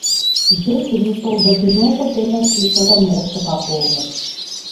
Дэ дымыщӀэу, Бэдынокъуэ дэнэ щищӀэрэ мы Ӏущыгъэ къомыр?